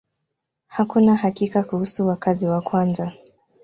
Hakuna hakika kuhusu wakazi wa kwanza.